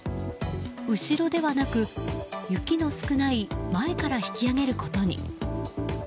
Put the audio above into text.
後ろではなく、雪の少ない前から引き揚げることに。